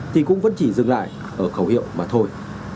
thì cũng vẫn chỉ dừng lại ở khẩu hiệu mà thôi